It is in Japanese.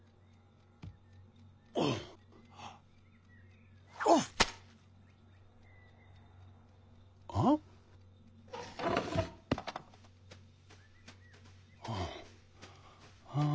ああ！